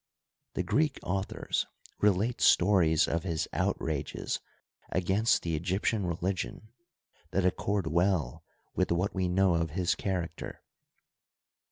The Greek authors relate stories of his out rages against the Egyptian religion that accord well with what we know of his character.